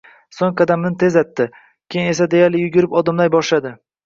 Soʻng qadamini tezlatdi, keyin esa deyarli yugurib odimlay boshladi